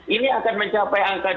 ini akan mencapai angka dua ratus